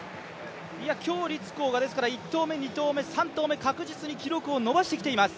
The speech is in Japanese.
鞏立コウが１投目、２投目、３投目、確実に記録を伸ばしてきています。